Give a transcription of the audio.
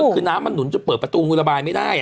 ท่านหนุนจะเปิดประตูมือระบายไม่ได้